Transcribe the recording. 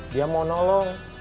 dia mau nolong